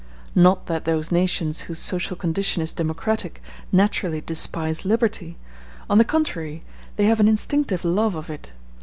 Not that those nations whose social condition is democratic naturally despise liberty; on the contrary, they have an instinctive love of it.